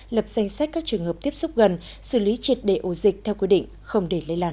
lập danh sách các trường hợp tiếp xúc gần xử lý triệt đề ổ dịch theo quy định không để lây lan